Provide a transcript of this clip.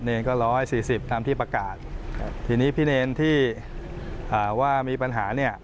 เนรก็ร้อยสี่สิบตามที่ประกาศทีนี้พี่เนรที่อ่าว่ามีปัญหาเนี่ย